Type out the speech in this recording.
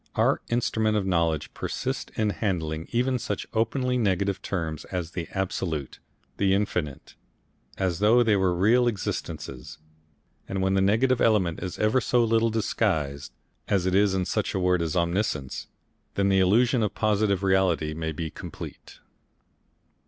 Our instrument of knowledge persists in handling even such openly negative terms as the Absolute, the Infinite, as though they were real existences, and when the negative element is ever so little disguised, as it is in such a word as Omniscience, then the illusion of positive reality may be complete.